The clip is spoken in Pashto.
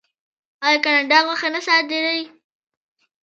آیا کاناډا غوښه نه صادروي؟